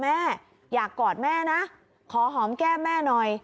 แม่อยากกอดแม่นะขอหอมแก้มแม่หน่อย